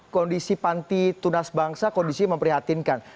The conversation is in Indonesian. kondisi panti tunas bangsa kondisi memprihatinkan